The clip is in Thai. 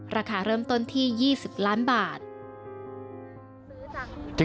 ราคาเริ่มต้นที่๒๐ล้านบาท